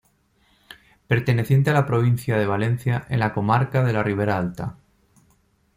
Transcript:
Perteneciente a la provincia de Valencia, en la comarca de la Ribera Alta.